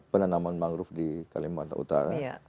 penanaman mangrove di kalimantan utara